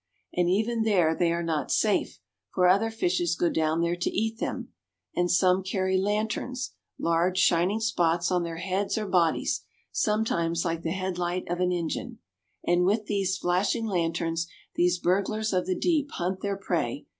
And even there they are not safe, for other fishes go down there to eat them. And some carry lanterns, large, shining spots on their heads or bodies, sometimes like the head light of an engine. And with these flashing lanterns, these burglars of the deep hunt their prey.